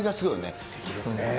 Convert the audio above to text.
すてきですね。